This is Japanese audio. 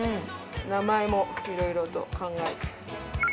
名前もいろいろと考えて。